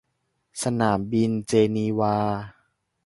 สนามบินเจนีวา